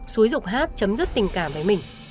xúi dục hát chấm dứt tình cảm với mình